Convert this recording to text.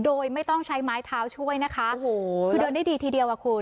โดยไม่ต้องใช้ไม้เท้าช่วยนะคะโอ้โหคือเดินได้ดีทีเดียวอ่ะคุณ